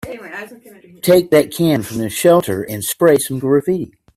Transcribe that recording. Take that can from the shelter and spray some graffiti.